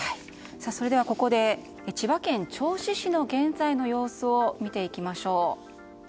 それではここで千葉県銚子市の現在の様子を見ていきましょう。